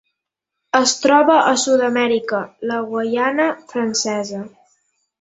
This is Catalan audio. Es troba a Sud-amèrica: la Guaiana Francesa.